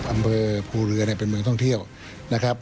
อำเภอภูเรือเนี่ยเป็นเมืองท่องเที่ยวนะครับ